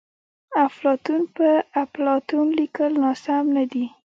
افلاطون په اپلاتون لیکل ناسم ندي.